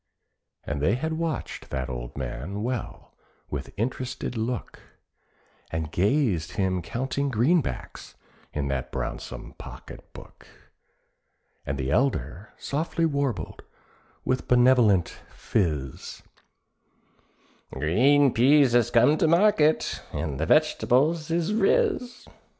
And they had watched that old man well with interested look, And gazed him counting greenbacks in that brownsome pocket book; And the elder softly warbled with benevolential phiz, "Green peas has come to market, and the veg'tables is riz."